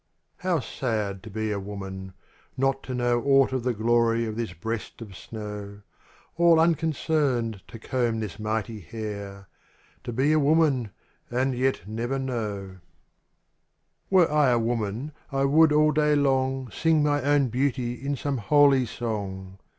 OW sad to be a woman, — not to know Aught of the glory of this breast of snow. All unconcerned to comb this mighty hair ; To be a woman — and yet never know I [ERE I a woman, I wouli all day long Sing my own beauty in some holy song.